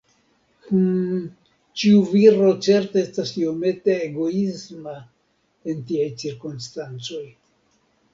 Hm, ĉiu viro certe estas iomete egoisma en tiaj cirkonstancoj.